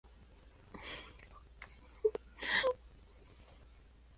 De ahí su buena situación geográfica.